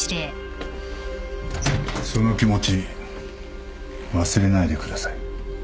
その気持ち忘れないでください。